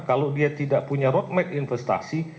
kalau dia tidak punya roadmap investasi